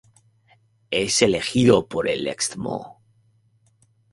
Es elegido por el Excmo.